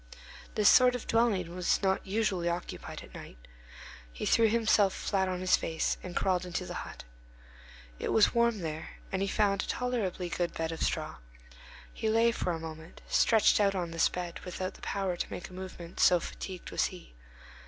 This sort of dwelling is not usually occupied at night. He threw himself flat on his face, and crawled into the hut. It was warm there, and he found a tolerably good bed of straw. He lay, for a moment, stretched out on this bed, without the power to make a movement, so fatigued was he.